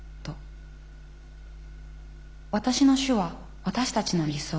私の主は私たちの理想。